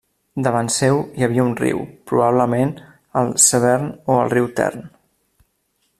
Davant seu hi havia un riu, probablement el Severn o el Riu Tern.